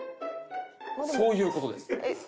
そういう事です。